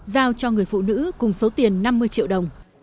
giao cho người phụ nữ cùng số tiền năm mươi triệu đồng